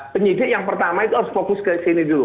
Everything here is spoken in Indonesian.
penyidik yang pertama itu harus fokus ke sini dulu